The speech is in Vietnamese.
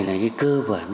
là cái cơ bản